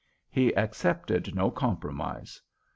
He accepted no compromise.